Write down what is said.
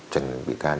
trần bị can